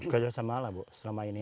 kerjasama lah bu selama ini